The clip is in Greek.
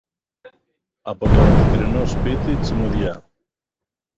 Από το αντικρινό σπίτι, τσιμουδιά